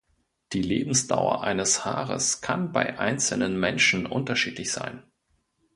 Die Lebensdauer eines Haares kann bei einzelnen Menschen unterschiedlich sein.